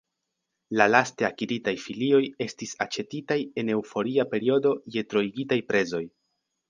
La laste akiritaj filioj estis aĉetitaj en eŭforia periodo je troigitaj prezoj.